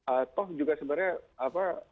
atau juga sebenarnya